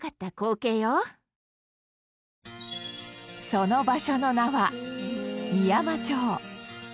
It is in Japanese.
その場所の名は美山町。